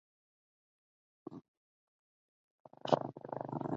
最上面一层则包括了公元四世纪或五世纪早期的陶瓷碎片。